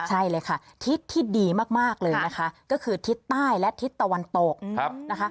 ใช่เลยค่ะทิศที่ดีมากเลยนะคะก็คือทิศใต้และทิศตะวันตกนะคะ